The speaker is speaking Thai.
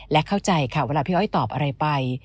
และเข้าใจค่ะเวลาพี่อ้อยตอบอะไรไป